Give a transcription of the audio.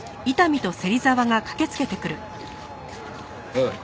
おい。